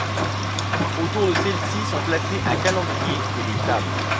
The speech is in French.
Autour de celle-ci sont placés un calendrier et des tables.